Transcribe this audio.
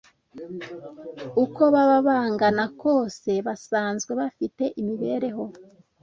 uko baba bangana kose, basanzwe bafite imibereho